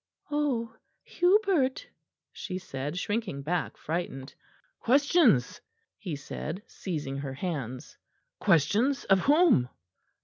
"Oh, Hubert!" she said, shrinking back frightened. "Questions!" he said, seizing her hands. "Questions of whom?"